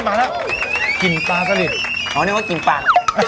มาแล้วกลิ่นปลาสลิดอ๋อเรียกว่ากลิ่นปาก